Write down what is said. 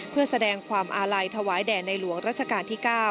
เพื่อแสดงความอาลัยถวายแด่ในหลวงรัชกาลที่๙